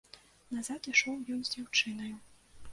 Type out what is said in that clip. Назад ішоў ён з дзяўчынаю.